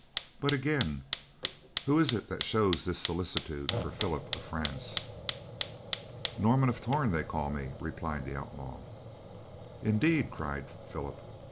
But, again, who is it that shows this solicitude for Philip of France?" "Norman of Torn, they call me," replied the outlaw. "Indeed!" cried Philip.